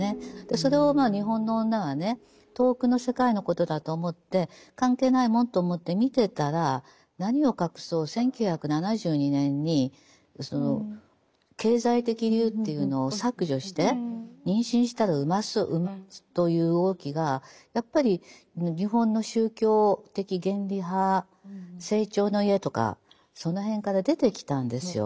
それを日本の女はね遠くの世界のことだと思って関係ないもんと思って見てたら何を隠そう１９７２年に「経済的理由」というのを削除して妊娠したら産ますという動きがやっぱり日本の宗教的原理派生長の家とかその辺から出てきたんですよ。